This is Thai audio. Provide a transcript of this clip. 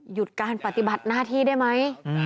หยุดการปฏิบัติหน้าที่ได้ไหม